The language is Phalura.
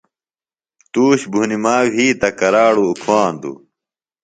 تُوش بُھنِما وھی تہ کراڑوۡ اُکھاندوۡ